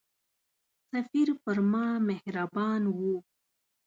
سفیر پر ما مهربان وو.